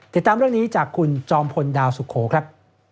ติดตามเรื่องนี้จากคุณจอมพลดาวสุโขครับ